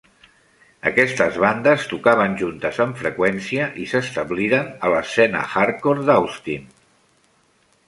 Aquestes bandes tocaven juntes amb freqüència i s'establiren a l'escena hardcore d'Austin.